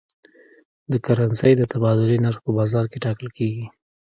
د کرنسۍ د تبادلې نرخ په بازار کې ټاکل کېږي.